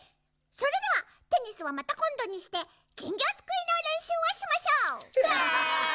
それではテニスはまたこんどにしてきんぎょすくいのれんしゅうをしましょう！わい！